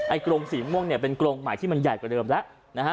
กรงสีม่วงเนี่ยเป็นกรงใหม่ที่มันใหญ่กว่าเดิมแล้วนะฮะ